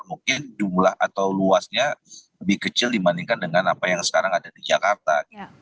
mungkin jumlah atau luasnya lebih kecil dibandingkan dengan apa yang sekarang ada di jakarta